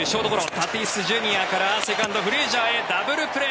タティスＪｒ．からセカンド、フレイジャーへダブルプレー。